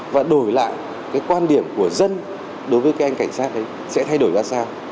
và đổi lại cái quan điểm của dân đối với cái anh cảnh sát đấy sẽ thay đổi ra sao